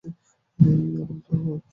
আর আপনার উচ্চ রক্তচাপও আছে।